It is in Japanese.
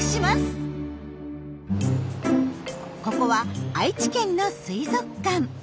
ここは愛知県の水族館。